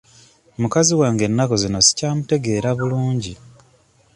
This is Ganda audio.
Mukazi wange ennaku zino sikyamutegeera bulungi.